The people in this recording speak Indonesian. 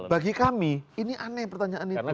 bagi kami ini aneh pertanyaan itu